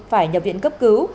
phải nhập viện cấp cứu